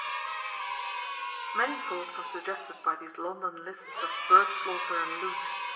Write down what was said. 68 Many thoughts are suggested by these London lists of bird slaughter and loot.